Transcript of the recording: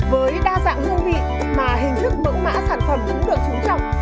với đa dạng hương vị mà hình thức mẫu mã sản phẩm cũng được trú trọng